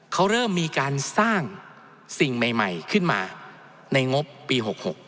เขาเริ่มมีการสร้างสิ่งใหม่ขึ้นมาในงบปี๖๖